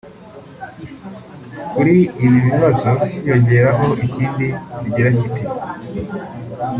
Kuri ibi bibazo hiyongeraho ikindi kigira kiti